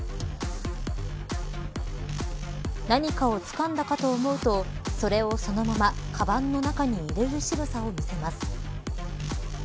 何かをつかんだかと思うとそれをそのまま、かばんの中に入れるしぐさを見せます。